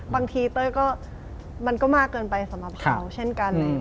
บางทีเต้ยก็มันก็มากเกินไปสำหรับเขาเช่นกัน